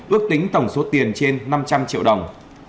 ước tính tổng số tiền trên năm trăm linh triệu đồng